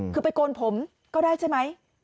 คือไปโกนผมก็ได้ใช่ไหม